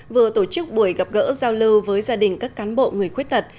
vừa tổ chức buổi gặp gỡ giao lưu với gia đình các cán bộ người khuyết tật